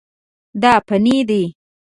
دا فني دي.